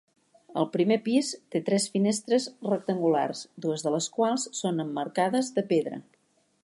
El primer pis té tres finestres rectangulars, dues de les quals són emmarcades de pedra.